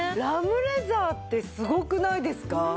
ラムレザーってすごくないですか？